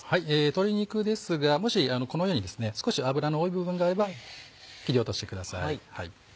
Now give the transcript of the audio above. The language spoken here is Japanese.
鶏肉ですがもしこのように少し脂の多い部分があれば切り落としてください。